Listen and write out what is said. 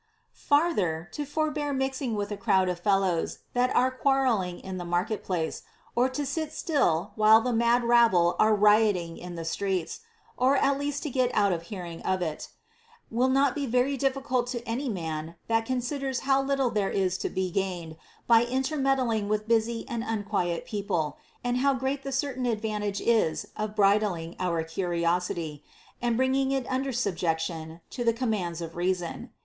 13. Farther, to forbear mixing with a crowd of fellows that are quarrelling in the market place, or to sit still while the mad rabble are rioting in the streets, or at least to get out of hearing of it, will not be very difficult to any man that considers how little there is to be gained by in termeddling with busy and unquiet people, and how great the certain advantage is of bridling our curiosity, and bringing it under subjection to the commands of reason.